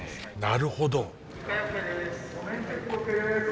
なるほど。